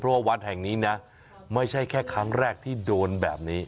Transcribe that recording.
เพราะวัดแหงนี้เนี่ยไม่ใช่แค่ครั้งแรกที่โดนแบบนี้